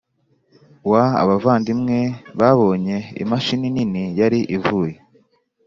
Wa Abavandimwe Babonye Imashini Nini Yari Ivuye